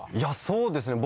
そうですね